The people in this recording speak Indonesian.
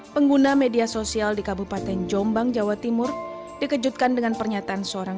pengguna media sosial di kabupaten jombang jawa timur dikejutkan dengan pernyataan seorang